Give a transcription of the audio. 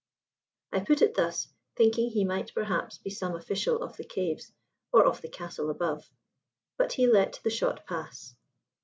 I put it thus, thinking he might perhaps be some official of the caves or of the castle above. But he let the shot pass.